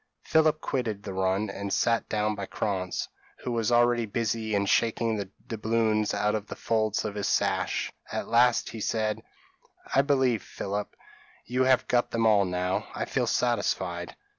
p> Philip quitted the run, and sat down by Krantz, who was already busy in shaking the doubloons out of the folds of his sash at last he said "I believe, Philip, you have got them all now? I feel satisfied."